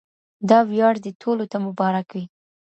دا ویاړ دې ټولو ته مبارک وي.